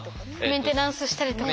メンテナンスしたりとか。